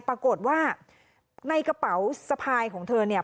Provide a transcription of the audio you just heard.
ปรากฏว่าในกระเป๋าสะพายของเธอเนี่ย